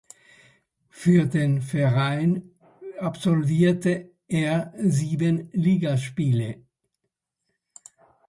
Für den Verein absolvierte er sieben Ligaspiele.